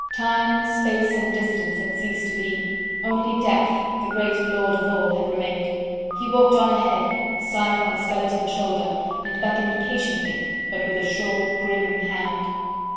Time, space and distance had ceased to be; only Death, the great Lord of all, had remained; he walked on ahead, scythe on skeleton shoulder, and beckoned patiently, but with a sure, grim hand.